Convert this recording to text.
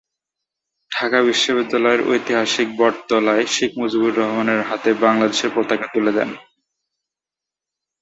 ঢাকা বিশ্ববিদ্যালয়ের ঐতিহাসিক বটতলায় শেখ মুজিবুর রহমানের হাতে বাংলাদেশের পতাকা তুলে দেন।